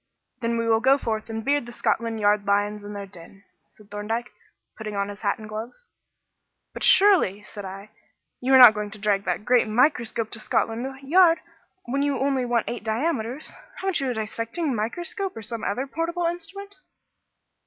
"Then we will go forth and beard the Scotland Yard lions in their den," said Thorndyke, putting on his hat and gloves. "But surely," said I, "you are not going to drag that great microscope to Scotland Yard, when you only want eight diameters. Haven't you a dissecting microscope or some other portable instrument?"